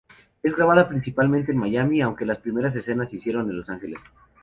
Es grabada principalmente en Miami, aunque las primeras escenas se hicieron en Los Ángeles.